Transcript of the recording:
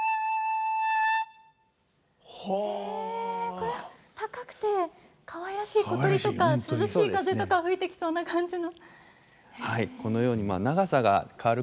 これ高くてかわいらしい小鳥とか涼しい風とか吹いてきそうな感じの。